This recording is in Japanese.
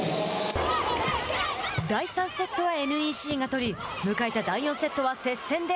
第３セットはＮＥＣが取り迎えた第４セットは接戦で